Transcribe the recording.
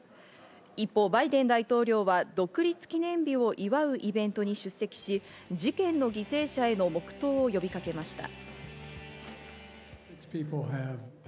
一方、バイデン大統領は独立記念日を祝うイベントに出席し、事件の犠牲者への黙祷を呼びかけました。